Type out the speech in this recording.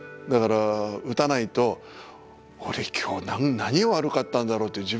だから打たないと「俺今日何悪かったんだろう」って